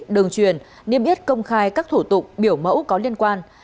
đường truyền niêm yết công khai các thủ tục biểu mẫu có liên quan